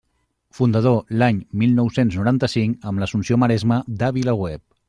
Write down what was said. Fundador l'any mil nou-cents noranta-cinc, amb Assumpció Maresma, de VilaWeb.